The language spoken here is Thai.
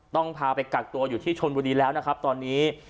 ต้องพาไปกักตัวอยู่ที่ชนบุรีแล้วนะครับตอนนี้